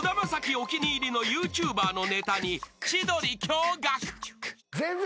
お気に入りのＹｏｕＴｕｂｅｒのネタに千鳥驚愕］